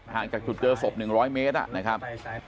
จากจุดเจอศพ๑๐๐เมตรนะครับ